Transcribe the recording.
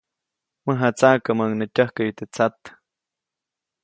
Mäjatsaʼkäʼmäʼuŋ nä tyäjkäyu teʼ tsat.